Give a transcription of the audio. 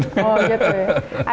oh gitu ya